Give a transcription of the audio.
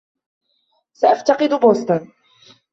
سأفتقد بوسطن.